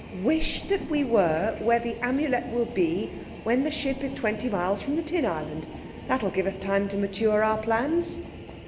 Wish that we were where the Amulet will be when the ship is twenty miles from the Tin Island. That'll give us time to mature our plans."